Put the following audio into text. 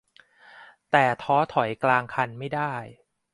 แต่ท้อถอยกลางคันไม่ได้